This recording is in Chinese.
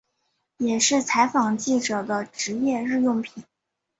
也是采访记者的职业日用品。